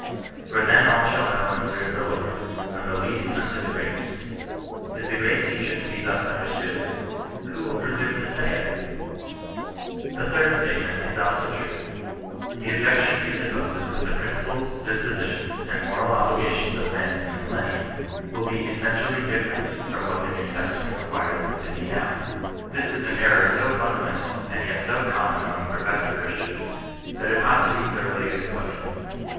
^' For then all shall know and serve ih:e Lord, from the least unto the greatest !!" Is the great Teadier to be l^us understood ? Who will presume* to sayiti The thhrd statement is also true. The objection pre sop^ ptoses that the principles, dispositiona, and nLonio^ViAM^ 138 CHRISTIAN NON RESISTANCE. ferent from what the Kew Testament requires them to be now* This is an error so fundamental and yet so common among professing Christians, that it ought to be thoroughly exploded.